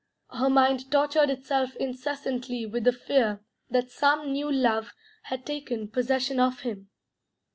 Her mind tortured itself incessantly with the fear that some new love had taken possession of him.